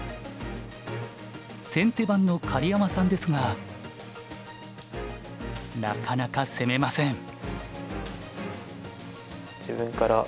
先手番の狩山さんですがなかなか攻めません。